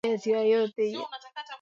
Mupunguza deni simujinga